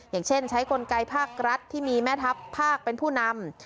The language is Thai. อย่างเช่นใช้กลไกภาครัฐที่มีแม่ทัพภาคเป็นผู้นำ